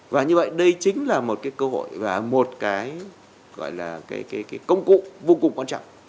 và như vậy đây chính là một cơ hội và một công cụ vô cùng quan trọng